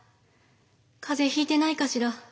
風邪ひいてないかしら。